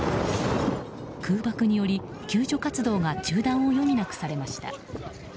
空爆により救助活動が中断を余儀なくされました。